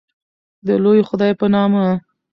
د لوی خدای په نامه